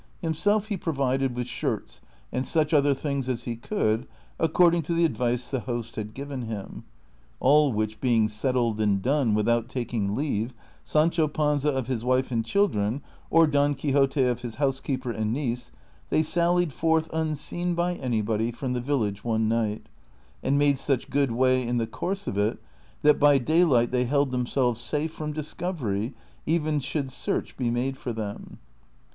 Him self he provided with shirts and such other things as he could, according to the advice the host had given him ; all .which being settled and done, without taking leave, Sancho Panza of his wife and children, or Don Quixote of his house keeper and niece, they sallied forth unseen by anybody from the village one night, and made such good way in the course of it that by daylight they held themselves safe from dis covery, even should search be made for them.